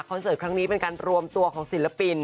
เสิร์ตครั้งนี้เป็นการรวมตัวของศิลปิน